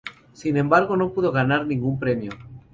Sin embargo, no pudo ganar ningún premio.